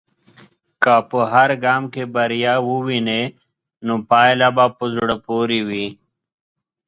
که په هر ګام کې بریا ووینې، نو پايله به په زړه پورې وي.